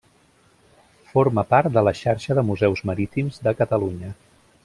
Forma part de la Xarxa de Museus Marítims de Catalunya.